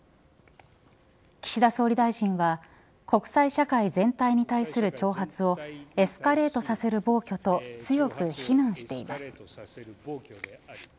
岸田総理大臣は国際社会全体に対する挑発をエスカレートさせる暴挙と強く非難しています。